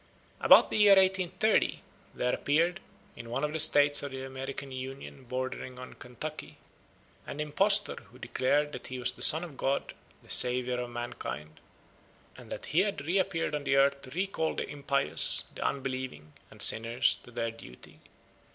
About the year 1830 there appeared, in one of the States of the American Union bordering on Kentucky, an impostor who declared that he was the Son of God, the Saviour of mankind, and that he had reappeared on earth to recall the impious, the unbelieving, and sinners to their duty.